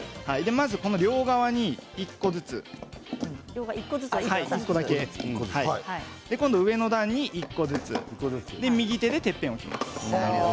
その両側に１個ずつ上の段に１個ずつ右手で、てっぺんに置きます。